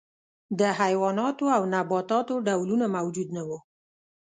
د حیواناتو او نباتاتو ډولونه موجود نه وو.